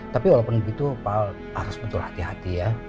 tapi walaupun begitu harus betul hati hati ya